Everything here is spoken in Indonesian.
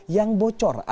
yang bocorkan virusnya